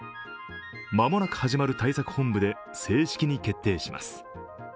間もなく始まる対策本部で正式に決定します。